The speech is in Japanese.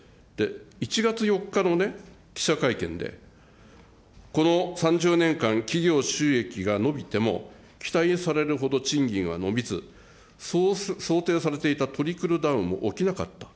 １月４日の記者会見で、この３０年間、企業収益が伸びても、期待されるほど賃金は伸びず、想定されていたトリクルダウンも起きなかった。